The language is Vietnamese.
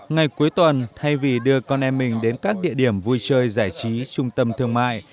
ngày cuối tuần thay vì đưa con em mình đến các địa điểm vui chơi giải trí trung tâm thương mại